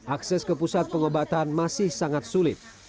akses ke pusat pengobatan masih sangat sulit